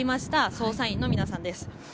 捜査員の皆さんです。